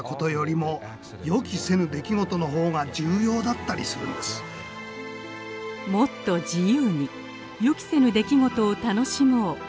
「もっと自由に！」「予期せぬ出来事を楽しもう！」。